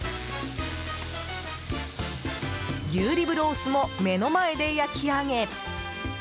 牛リブロースも目の前で焼き上げ。